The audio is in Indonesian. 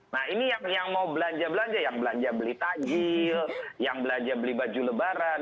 nah ini yang mau belanja belanja yang belanja beli tajil yang belanja beli baju lebaran